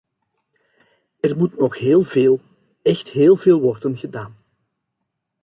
Er moet nog heel veel, echt heel veel worden gedaan.